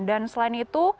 dan selain itu